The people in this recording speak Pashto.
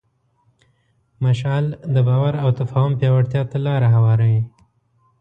مشعل د باور او تفاهم پیاوړتیا ته لاره هواروي.